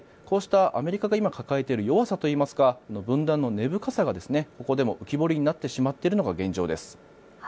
こうした、今アメリカが抱えている弱さといいますか分断の根深さというのがここでも浮き彫りになってしまっているのが現状です。